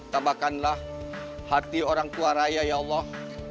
tambahkanlah hati orang tua raya ya allah